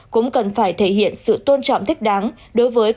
cũng cần phải thể hiện sự tôn trọng thích đại